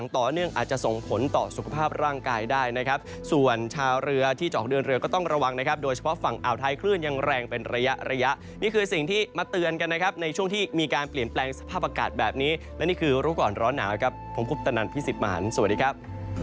ต่อเนื่องอาจจะส่งผลต่อสุขภาพร่างกายได้นะครับส่วนชาวเรือที่จะออกเดินเรือก็ต้องระวังนะครับโดยเฉพาะฝั่งอ่าวไทยคลื่นยังแรงเป็นระยะระยะนี่คือสิ่งที่มาเตือนกันนะครับในช่วงที่มีการเปลี่ยนแปลงสภาพอากาศแบบนี้และนี่คือรู้ก่อนร้อนหนาวครับผมคุปตนันพี่สิทธิ์มหันฯสวัสดีครับ